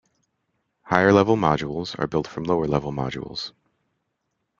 Higher-level modules are built up from lower-level modules.